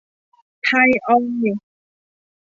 ไทยออยล์